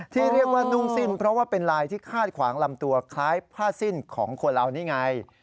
ที่เรียกว่านุ่งสิ้นเพราะว่าเป็นลายที่คาดขวางลำตัวคล้ายผ้าสิ้นของคนเรานี่ไง